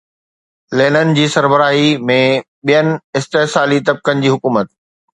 Lenin جي سربراهي ۾ ٻين استحصالي طبقن جي حڪومت